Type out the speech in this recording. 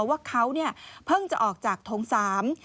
ว่าเขาเนี่ยเพิ่งจะออกจากโถงสาม